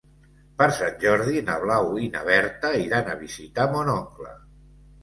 Per Sant Jordi na Blau i na Berta iran a visitar mon oncle.